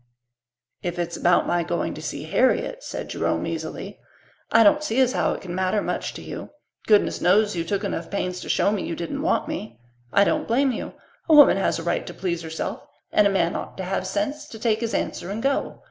"If it's about my going to see Harriet," said Jerome easily "I don't see as how it can matter much to you. Goodness knows, you took enough pains to show me you didn't want me. I don't blame you. A woman has a right to please herself, and a man ought to have sense to take his answer and go.